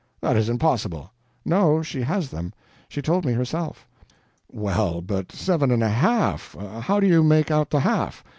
"That is impossible." "No, she has them. She told me herself." "Well, but seven and a HALF? How do you make out the half?